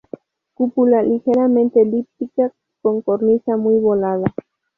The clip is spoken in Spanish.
Cúpula ligeramente elíptica, con cornisa muy volada.